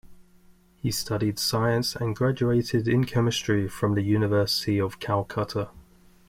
He studied science and graduated in chemistry from the University of Calcutta.